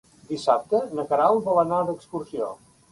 Dissabte na Queralt vol anar d'excursió.